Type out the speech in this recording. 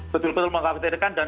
betul betul mengkhawatirkan dan